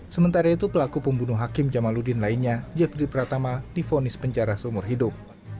sementara itu pelaku pembunuh hakim jamaludin lainnya jeffrey pratama difonis penjara seumur hidup